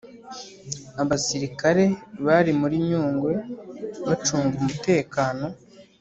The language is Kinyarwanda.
Abasirikare bari muri nyungwe bacunga umutekano